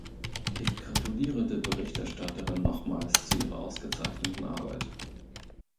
Ich gratuliere der Berichterstatterin nochmals zu ihrer ausgezeichneten Arbeit.